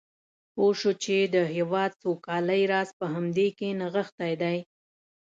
پوه شو چې د هېواد سوکالۍ راز په همدې کې نغښتی دی.